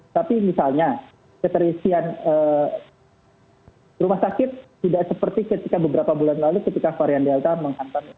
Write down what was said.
tapi misalnya keterisian rumah sakit tidak seperti ketika beberapa bulan lalu ketika varian delta menghantam